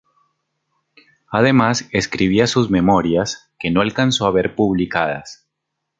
Además, escribía sus memorias, que no alcanzó a ver publicadas.